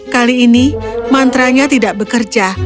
kali ini mantranya tidak bekerja